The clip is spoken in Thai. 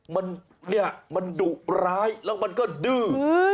มันเนี่ยมันดุร้ายแล้วมันก็ดื้อ